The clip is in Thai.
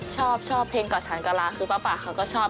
ชอบชอบเพลงกอดฉันกะลาคือป้าป่าเขาก็ชอบ